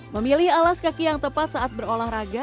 memilih alas kaki yang tepat saat berolahraga